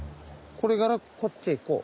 これからこっちへこう。